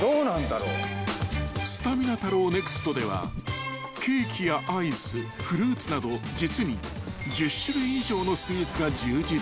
［すたみな太郎ＮＥＸＴではケーキやアイスフルーツなど実に１０種類以上のスイーツが充実］